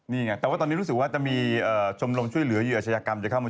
นี่ไงแต่ว่าตอนนี้รู้สึกว่าจะมีชมรมช่วยเหลืออยู่